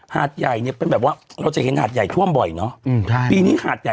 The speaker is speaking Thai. หาดใหญ่นี่เป็นแบบว่าเราจะเห็นหาดใหญ่ท่วมบ่อยเนาะ